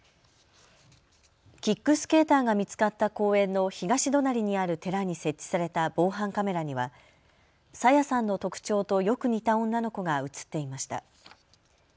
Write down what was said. キックスケーターが見つかった公園の東隣にある寺に設置された防犯カメラには朝芽さんの特徴とよく似た女の子が写っていました。